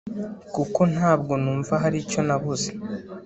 kuko ntabwo numva hari icyo nabuze